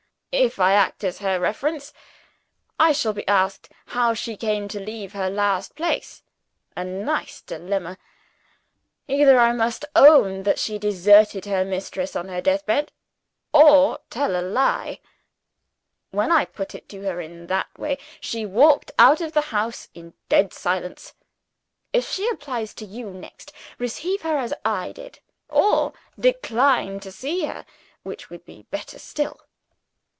If I act as her reference, I shall be asked how she came to leave her last place. A nice dilemma! Either I must own that she deserted her mistress on her deathbed or tell a lie. When I put it to her in that way, she walked out of the house in dead silence. If she applies to you next, receive her as I did or decline to see her, which would be better still."